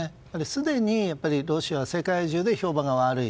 すでにロシアは世界中で評判が悪い。